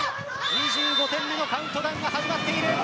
２５点目のカウントダウンが始まっている。